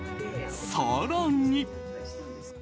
更に。